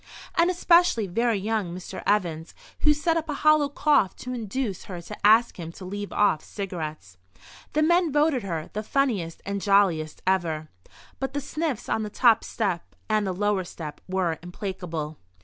And especially very young Mr. Evans, who set up a hollow cough to induce her to ask him to leave off cigarettes. The men voted her "the funniest and jolliest ever," but the sniffs on the top step and the lower step were implacable.